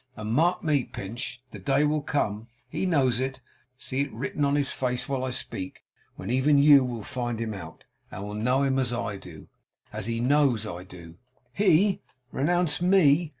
And mark me, Pinch! The day will come he knows it; see it written on his face, while I speak! when even you will find him out, and will know him as I do, and as he knows I do. HE renounce ME!